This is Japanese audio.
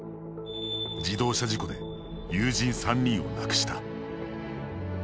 自動車事故で友人３人を亡くした。